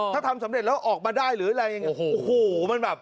ถ้าทำสำเร็จแล้วออกมาได้หรืออะไรอย่างนี้โอ้โหมันแบบ